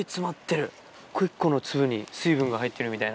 一個一個の粒に水分が入ってるみたいな。